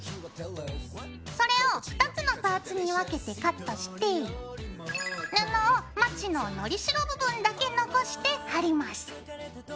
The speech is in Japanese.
それを２つのパーツに分けてカットして布をまちののりしろ部分だけ残して貼ります。